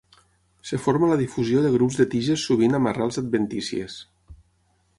Es forma la difusió de grups de tiges sovint amb arrels adventícies.